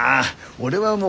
俺はもう。